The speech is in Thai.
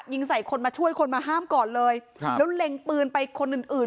ยิงใส่คนมาช่วยคนมาห้ามก่อนเลยครับแล้วเล็งปืนไปคนอื่นอื่น